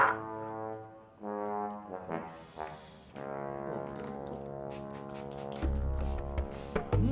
ih halus pisang deh